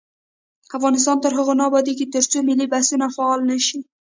افغانستان تر هغو نه ابادیږي، ترڅو ملي بسونه فعال نشي.